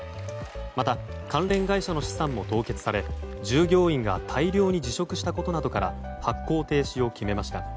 また関連会社の資産も凍結され従業員が大量に辞職したことなどから発行停止を決めました。